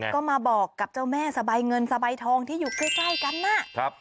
ก็มาบอกกับเจ้าแม่สะใบเงินสะใบทองที่อยู่ใกล้กันน่ะ